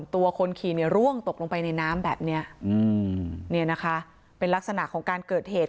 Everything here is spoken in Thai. ตัวคนขี่ร่วงตกลงไปในน้ำแบบนี้เป็นลักษณะของการเกิดเหตุ